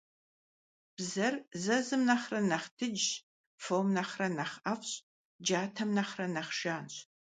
Бзэр зэзым нэхърэ нэхъ дыджщ, фом нэхърэ нэхъ ӀэфӀщ, джатэм нэхърэ нэхъ жанщ.